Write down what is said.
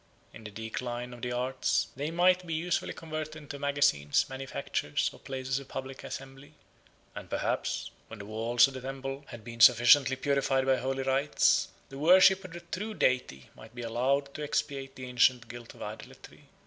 In the decline of the arts they might be usefully converted into magazines, manufactures, or places of public assembly: and perhaps, when the walls of the temple had been sufficiently purified by holy rites, the worship of the true Deity might be allowed to expiate the ancient guilt of idolatry.